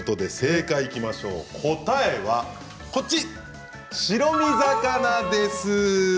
答えは白身魚です。